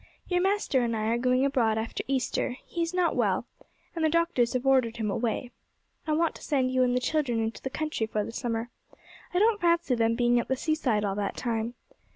Your master and I are going abroad after Easter; he is not well, and the doctors have ordered him away. I want to send you and the children into the country for the summer. I don't fancy them being at the seaside all that time.